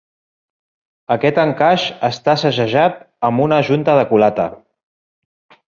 Aquest encaix està segellat amb una junta de culata.